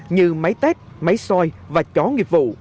như máy tét máy soi và chó nghiệp vụ